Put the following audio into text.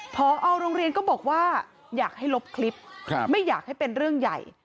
พอโรงเรียนก็บอกว่าอยากให้ลบคลิปไม่อยากให้เป็นเรื่องใหญ่